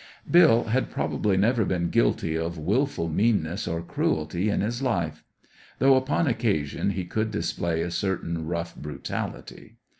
Bill had probably never been guilty of wilful meanness or cruelty in his life; though, upon occasion, he could display a certain rough brutality.